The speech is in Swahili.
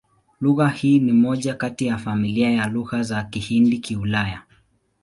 Lugha hii ni moja kati ya familia ya Lugha za Kihindi-Kiulaya.